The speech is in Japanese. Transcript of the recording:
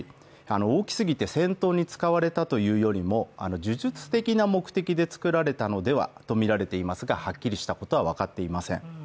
大き過ぎて、戦闘に使われたというよりも呪術的な目的で作られたのではとみられいますが、はっきりしたことか分かっていません。